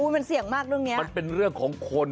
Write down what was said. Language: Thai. มันเสี่ยงมากเรื่องเนี่ย